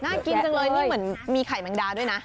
น่ากินจังเลยมีไข่แมงดาด้วยนะ